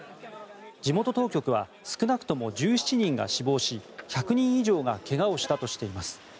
地元当局は少なくとも１７人が死亡し１００人以上が怪我をしたとしています。